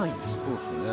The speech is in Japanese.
そうですね。